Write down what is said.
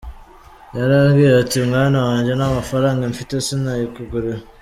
yarambwiye ati “mwana wanjye nta mafaranga mfite, sinayikugurira.